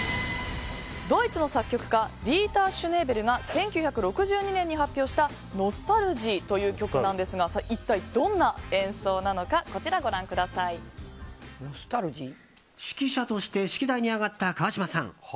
ドイツの作曲家ディーター・シュネーベルが１９６２年に発表した「Ｎｏｓｔａｌｇｉｅ」という曲ですが一体どんな演奏なのか指揮者として指揮台に上がった川島さん。